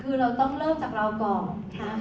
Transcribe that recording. เราต้องเริ่มจากเราก่อนนะคะนะครับ